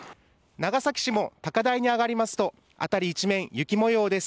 長崎市も高台に上がりますと辺り一面、雪模様です。